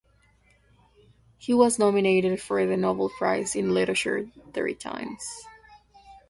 He was nominated for the Nobel Prize in Literature three times.